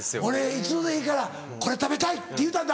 「一度でいいからこれ食べたい」って言うたんだ